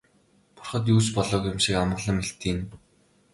Бурхад юу ч болоогүй юм шиг амгалан мэлтийнэ.